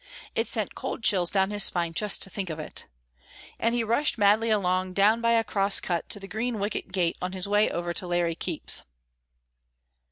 It sent cold chills down his spine just to think of it! And he rushed madly along down by a cross cut to the green wicket gate on his way over to Larry Keep's.